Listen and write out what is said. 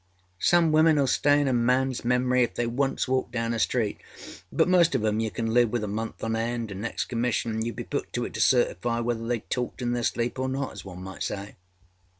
Some womenâll stay in a manâs memory if they once walked down a street, but most of âem you can live with a month on end, anâ next commission youâd be put to it to certify whether they talked in their sleep or not, as one might say.